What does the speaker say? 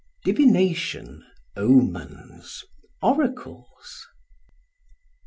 Divination, Omens, Oracles.